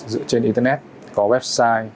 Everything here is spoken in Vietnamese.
dựa trên internet có website